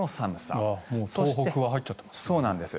もう東北入っちゃってますね。